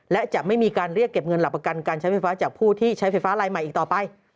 และจะไม่มีการเรียกเก็บเงินหลักประกันการใช้ไฟฟ้าจากผู้ที่ใช้ไฟฟ้าลายใหม่อีกต่อไป